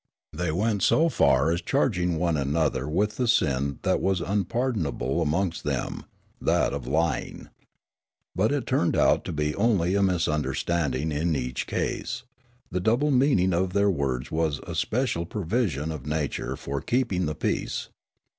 They went so far as charging one another with the sin that was unpardonable amongst them, that of lying. But it turned out to be only a misunder standing in each case ; the double meaning of their words was a special provision of nature for keeping the peace.